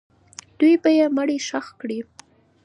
دوی به یې مړی ښخ کړي.